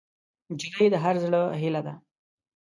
نجلۍ د هر زړه هیلې ده.